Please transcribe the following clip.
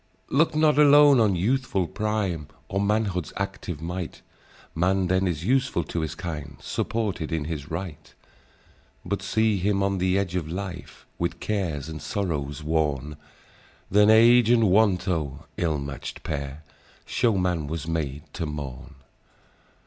"Look not alone on youthful prime, Or manhood's active might; Man then is useful to his kind, Supported in his right: But see him on the edge of life, With cares and sorrows worn; Then Age and Want—oh! ill match'd pair— Shew man was made to mourn.